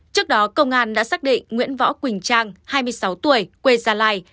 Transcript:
trước đó công an đã xác định nguyễn võ quỳnh trang hai mươi sáu tuổi quê gia lai